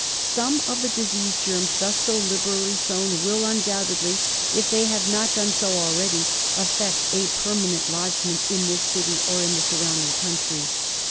Some of the disease germs thus so liberally sown will undoubtedly, if they have not done so already, effect a permanent lodgment in this city or in the surrounding country.